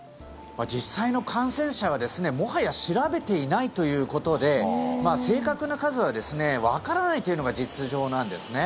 実際の感染者はもはや調べていないということで正確な数はわからないというのが実情なんですね。